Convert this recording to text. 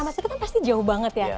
masa itu kan pasti jauh banget ya